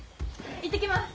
行ってきます！